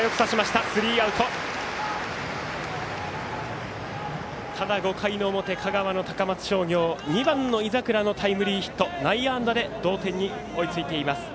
ただ５回の表、香川、高松商業２番の井櫻のタイムリーヒット内野安打で同点に追いついています。